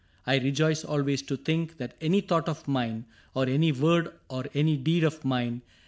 I rejoice Always to think that any thought of mine, Or any word or any deed of mine.